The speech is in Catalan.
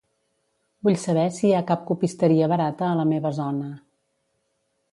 Vull saber si hi ha cap copisteria barata a la meva zona.